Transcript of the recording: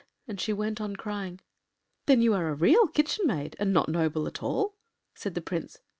” And she went on crying. “Then you are a Real Kitchen maid, and not noble at all?” said the Prince.